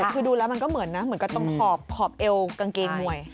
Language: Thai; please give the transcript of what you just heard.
คือดูแล้วมันก็เหมือนนะเหมือนกับตรงขอบเอวกางเกงมวย